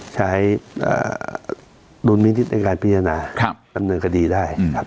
ใช้รุนมินทิศในการพิจารณาดำเนินกดีได้